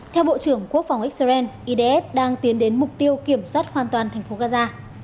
theo bộ trưởng quốc phòng israel idf đang tiến đến mục tiêu kiểm soát hoàn toàn thành phố gaza